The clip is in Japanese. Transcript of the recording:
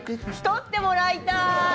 撮ってもらいたい！